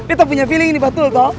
kita punya feeling ini betul toh